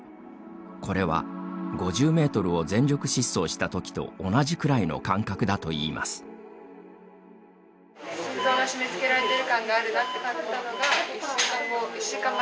これは、５０メートルを全力疾走したときと同じくらいの感覚だといいます。